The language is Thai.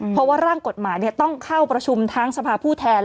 เพราะว่าร่างกฎหมายต้องเข้าประชุมทั้งสภาผู้แทน